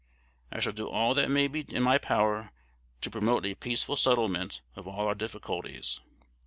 _I shall do all that may be in my power to promote a peaceful settlement of all our difficulties.